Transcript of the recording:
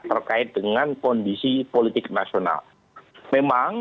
terkait dengan kondisi yang lebih tinggi nah ini artinya apa artinya ada penilaian negatif yang makin meningkat